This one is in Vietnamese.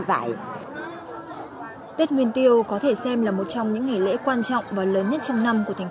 vải tết nguyên tiêu có thể xem là một trong những ngày lễ quan trọng và lớn nhất trong năm của thành